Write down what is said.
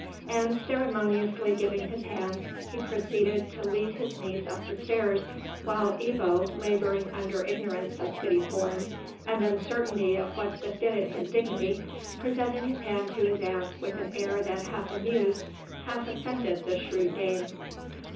And, ceremoniously giving his hand, he proceeded to lead his niece up the stairs, while Ebbo, labouring under ignorance of city forms and uncertainty of what befitted his dignity, presented his hand to his aunt with an air that half amused, half offended the shrewd dame.